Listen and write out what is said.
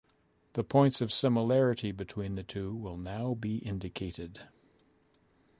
The points of similarity between the two will now be indicated.